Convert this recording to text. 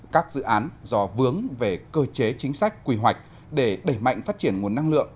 các dự án do vướng về cơ chế chính sách quy hoạch để đẩy mạnh phát triển nguồn năng lượng